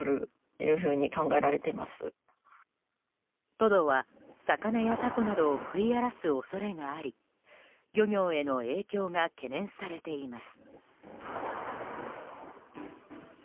トドは、魚やタコなどを食い荒らす恐れがあり漁業への影響が懸念されています。